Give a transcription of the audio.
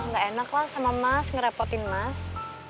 gak enak lah sama mas ngerepotin mas